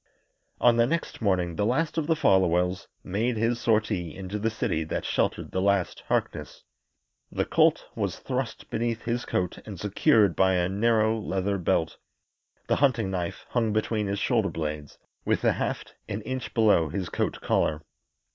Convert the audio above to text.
On the next morning the last of the Folwells made his sortie into the city that sheltered the last Harkness. The Colt was thrust beneath his coat and secured by a narrow leather belt; the hunting knife hung between his shoulder blades, with the haft an inch below his coat collar.